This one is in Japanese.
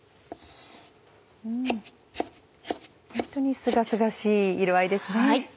ホントにすがすがしい色合いですね。